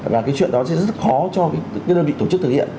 và cái chuyện đó sẽ rất khó cho đơn vị tổ chức thực hiện